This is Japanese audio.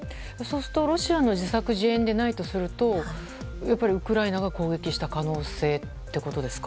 ロシアの自作自演でないとするとウクライナが攻撃した可能性ってことですか？